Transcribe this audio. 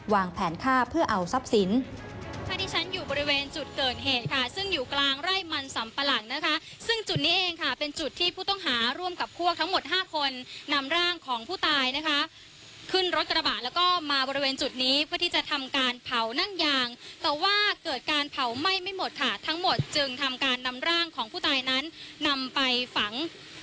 วางแผนค่าเพื่อเอาทรัพย์สิน